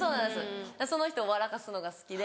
その人を笑かすのが好きで。